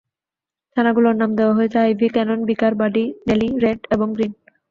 ছানাগুলোর নাম দেওয়া হয়েছে Ivy, Cannon, Vicar, Buddy, Nelly, Red এবং গ্রিন।